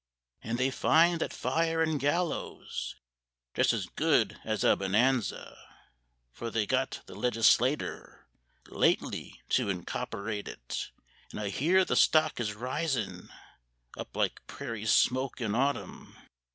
"And they find that fire and gallows Just as good as a bonanza, For they got the Legislater Lately to incopperate it; And I hear the stock is risin' Up like prairie smoke in autumn.